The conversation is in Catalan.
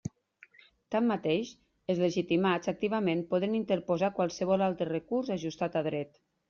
Tanmateix, els legitimats activament poden interposar qualsevol altre recurs ajustat a dret.